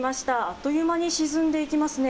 あっという間に沈んでいきますね。